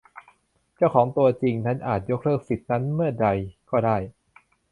เจ้าของตัวจริงอาจยกเลิกสิทธิ์นั้นเมื่อใดก็ได้